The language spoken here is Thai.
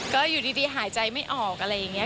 ก็อยู่ดีหายใจไม่ออกอะไรอย่างนี้